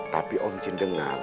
tapi om jin dengar